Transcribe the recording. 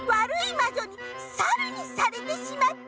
まじょにサルにされてしまった？